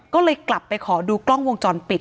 ก็เลยกลับไปขอดูกล้องวงจรปิด